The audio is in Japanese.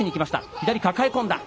左抱え込んだ。